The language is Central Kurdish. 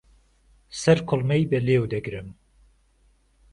سهرکوڵمهی به لێو دهگرم